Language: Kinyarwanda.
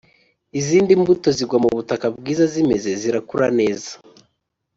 Izindi mbuto zigwa mu butaka bwiza zimeze zirakura neza